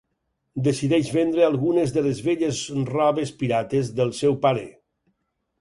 Decideix vendre algunes de les velles robes pirates del seu pare.